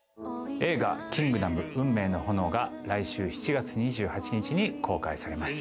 映画『キングダム運命の炎』が来週７月２８日に公開されます。